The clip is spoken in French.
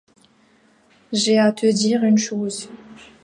J’ai à te dire une chose.